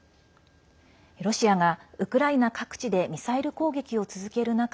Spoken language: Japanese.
ロシアがウクライナ各地でミサイル攻撃を続ける中